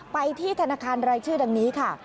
ไปที่ธนาคารรายชื่อดังนี้ค่ะ